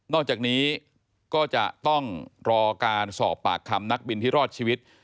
อกจากนี้ก็จะต้องรอการสอบปากคำนักบินที่รอดชีวิต